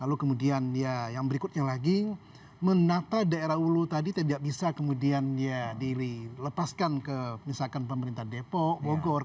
lalu kemudian ya yang berikutnya lagi menata daerah ulu tadi tidak bisa kemudian dia dilepaskan ke misalkan pemerintah depok bogor